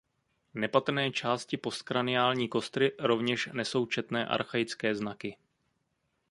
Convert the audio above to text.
Nepatrné části postkraniální kostry rovněž nesou četné archaické znaky.